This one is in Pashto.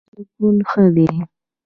سکون ښه دی.